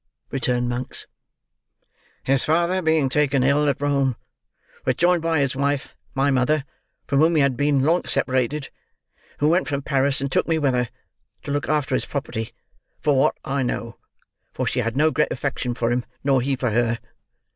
returned Monks. "His father being taken ill at Rome, was joined by his wife, my mother, from whom he had been long separated, who went from Paris and took me with her—to look after his property, for what I know, for she had no great affection for him, nor he for her.